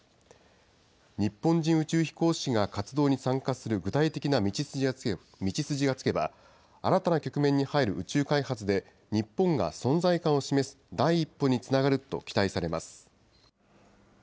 日本人宇宙飛行士が活動に参加する具体的な道筋がつけば、新たな局面に入る宇宙開発で、日本が存在感を示す第一歩につながると期待されます。